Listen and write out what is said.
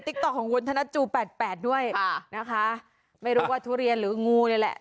ตอของคุณธนจูแปดแปดด้วยนะคะไม่รู้ว่าทุเรียนหรืองูนี่แหละ